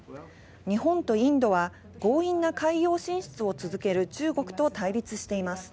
日本とインドは強引な海洋進出を続ける中国と対立しています。